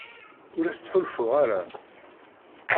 Ur as-ttḥulfuɣ ara.